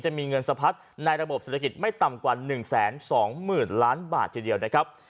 จะมีเงินสะพัดในระบบเศรษฐกิจไม่ต่ำกว่าหนึ่งแสนสองหมื่นล้านบาททีเดียวนะครับ